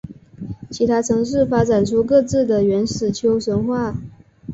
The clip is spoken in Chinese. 其他城市发展出各自的原始丘神话。